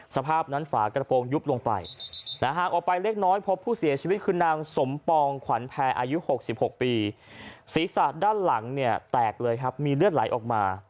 สภาพนั้นฝากระโปรงยุบลงไปห่างออกไปเล็กน้อยพบผู้เสียชีวิตคือนางสมปองขวัญแพรอายุ๖๖ปีศีรษะด้านหลังเนี่ยแตกเลยครับมีเลือดไหลออกมา